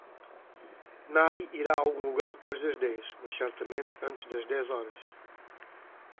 Nai irá a algum lugar depois das dez, mas certamente antes das dez horas.